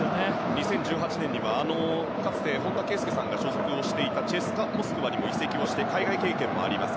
２０１８年にはかつて本田圭佑さんが所属していたＣＳＫＡモスクワにも移籍して、海外経験もあります。